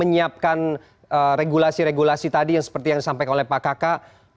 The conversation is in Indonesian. yang disampaikan oleh pak kaka